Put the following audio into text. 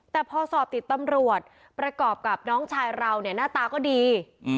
แต่พอสอบติดตำรวจประกอบกับน้องชายเราเนี่ยหน้าตาก็ดี